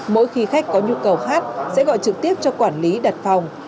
mỗi khi khách có nhu cầu hát sẽ gọi trực tiếp cho quản lý đặt phòng